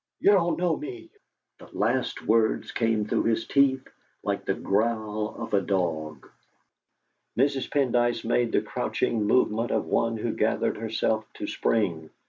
You don't know me!" The last words came through his teeth like the growl of a dog. Mrs. Pendyce made the crouching movement of one who gathers herself to spring.